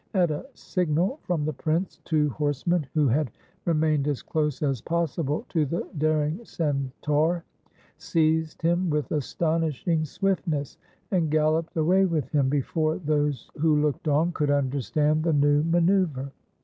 At a signal from the prince, two horsemen, who had remained as close as possible to the daring centaur, seized him with astonishing swiftness, and galloped away with him before those who looked on could understand the new manoeuvre.